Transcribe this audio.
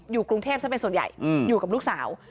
อยู่กรุงเทพซะเป็นส่วนใหญ่อยู่กับลูกสาว